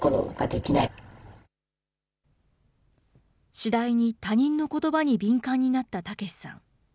次第に他人のことばに敏感になったタケシさん。